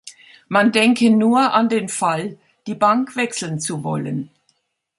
Man denke nur an den Fall, die Bank wechseln zu wollen.